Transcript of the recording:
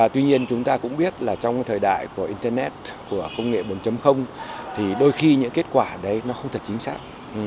tuy nhiên chúng ta cũng biết là trong thời đại của internet của công nghệ bốn thì đôi khi những kết quả đấy nó không thật chính xác